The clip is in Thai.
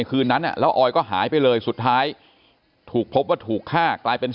คืนนั้นแล้วออยก็หายไปเลยสุดท้ายถูกพบว่าถูกฆ่ากลายเป็น